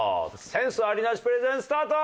センスありなしプレゼンスタート！